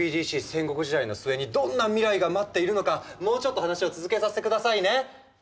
戦国時代の末にどんな未来が待っているのかもうちょっと話を続けさせてくださいね。